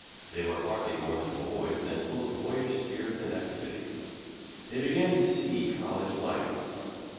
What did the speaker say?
They were hardly more than boys and full of boyish spirits and activity. They began to see "college life."